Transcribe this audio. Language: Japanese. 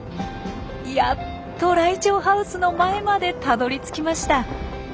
やっとライチョウハウスの前までたどりつきました。